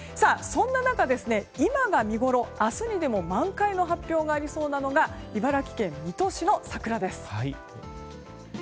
そんな中、今が見ごろ明日にでも満開の発表がありそうなのが茨城県水戸市の桜です。